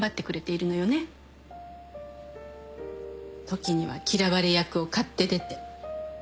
時には嫌われ役を買って出て。